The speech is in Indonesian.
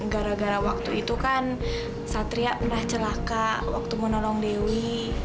gara gara waktu itu kan satria pernah celaka waktu menolong dewi